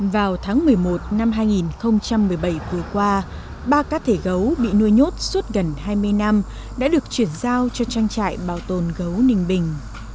vào tháng một mươi một năm hai nghìn một mươi bảy vừa qua ba cá thể gấu bị nuôi nhốt suốt gần hai mươi năm đã được chuyển giao cho trang trại bảo tồn gấu ninh bình